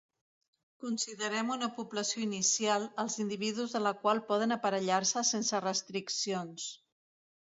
Considerem una població inicial, els individus de la qual poden aparellar-se sense restriccions.